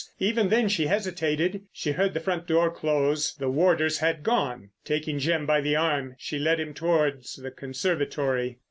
Even then she hesitated. She heard the front door close. The warders had gone. Taking Jim by the arm she led him towards the conservatory.